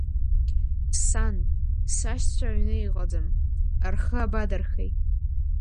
Сан, сашьцәа аҩны иҟаӡам, рхы абадырхеи?